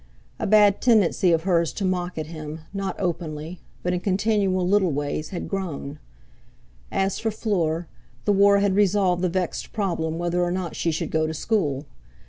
A bad tendency of hers to mock at him, not openly, but in continual little ways, had grown. As for Fleur, the War had resolved the vexed problem whether or not she should go to school.